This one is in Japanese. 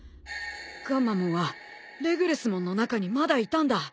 ガンマモンはレグルスモンの中にまだいたんだ。